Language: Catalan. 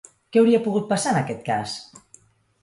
Què hauria pogut passar, en aquest cas?